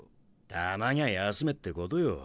たまにゃあ休めってことよ。